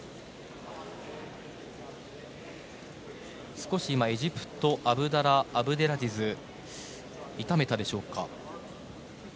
少しエジプトアブダラー・アブデラジズ痛めたでしょうか。